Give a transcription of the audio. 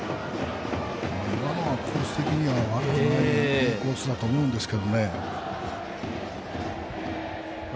コース的には悪くないインコースだと思うんですけど。